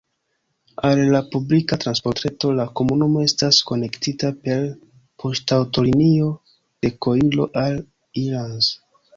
Al la publika transportreto la komunumo estas konektita per poŝtaŭtolinio de Koiro al Ilanz.